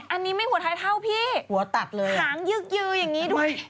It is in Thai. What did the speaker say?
อันนี้ไม่หัวท้ายเท่าพี่หัวตัดเลยหางยึกยืออย่างนี้ด้วย